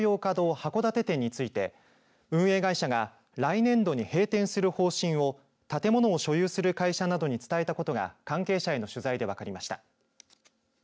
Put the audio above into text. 函館店について運営会社が来年度に閉店する方針を建物を所有する会社などに伝えたことが関係者への取材で分かりました。